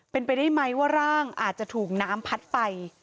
เป็นไปได้ไหมว่าร่างอาจจะถูกน้ำพัดไป